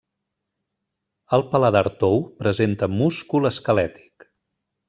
El paladar tou presenta múscul esquelètic.